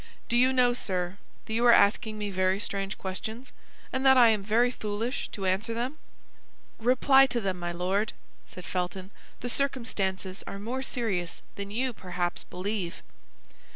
"Do you know, sir, that you are asking me very strange questions, and that I am very foolish to answer them?" "Reply to them, my Lord," said Felton; "the circumstances are more serious than you perhaps believe."